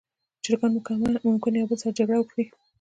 چرګان ممکن یو بل سره جګړه وکړي.